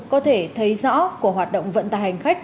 có thể thấy rõ của hoạt động vận tài hành khách